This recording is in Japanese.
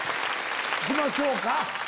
行きましょうか。